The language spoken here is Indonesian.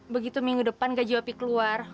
begitu minggu depan gaji api keluar